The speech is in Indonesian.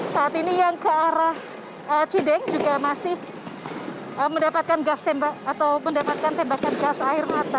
saat ini yang ke arah cideng juga masih mendapatkan tembakan gas air mata